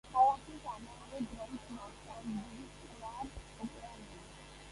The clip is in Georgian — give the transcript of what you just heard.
ქალაქი ამავე დროს ნავსადგურია წყნარ ოკეანეზე.